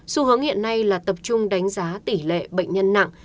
xu hướng hiện nay là tập trung đánh giá tỷ lệ bệnh nhân nặng